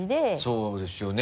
そうですよね。